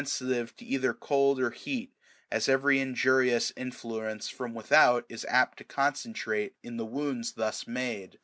sitive to either cold or heat, as every injurious influence from without is apt to concentrate in the wounds thus made.